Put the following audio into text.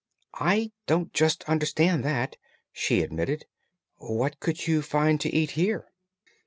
"I don't just understand that," she admitted. "What could you find to eat here?"